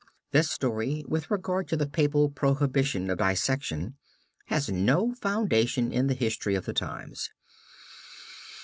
This story with regard to the papal prohibition of dissection has no foundation in the history of the times.